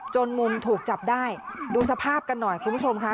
มุนถูกจับได้ดูสภาพกันหน่อยคุณผู้ชมค่ะ